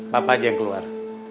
papa aja yang keluar